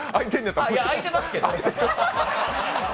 空いてますけど。